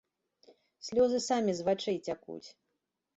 Слёзы самі з вачэй цякуць.